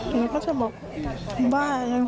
หนูก็จะบอกว่ายังรักเขาอยู่ค่ะ